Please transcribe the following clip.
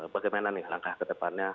bagaimana nih langkah kedepannya